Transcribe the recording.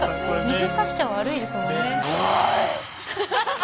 水さしちゃ悪いですよね。